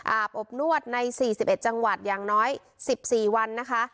อาบอบนวดในสี่สิบเอ็ดจังหวัดอย่างน้อยสิบสี่วันนะคะ